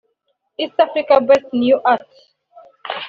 East Africa Best New Act